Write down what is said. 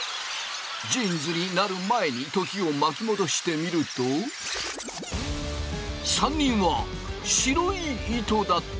ジーンズになる前に時を巻き戻してみると３人は白い糸だった。